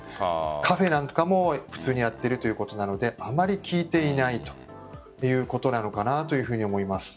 カフェなんかも普通にやっているということなのであまり効いていないということなのかと思います。